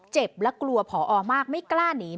เจ็บและกลัวพอมากไม่กล้านี